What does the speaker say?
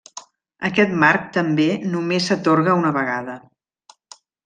Aquest marc també només s'atorga una vegada.